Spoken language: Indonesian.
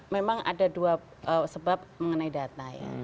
memang ada dua sebab mengenai data ya